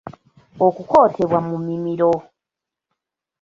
Okukootebwa mu mimiro.